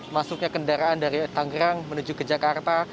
masuknya kendaraan dari tanggerang menuju ke jakarta